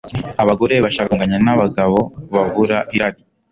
Abagore bashaka kunganya nabagabo babura irari